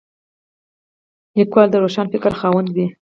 لیکوال د روښان فکر خاوند وي.